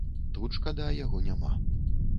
Тут, шкада, яго няма.